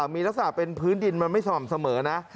มีลักษณะเป็นพื้นดินมันไม่ส่อมเสมอนะ